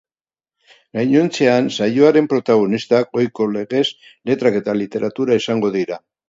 Gainontzean, saioaren protagonistak, ohiko legez, letrak eta literatura izango dira.